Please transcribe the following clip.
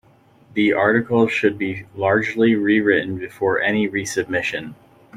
The article should be largely rewritten before any resubmission.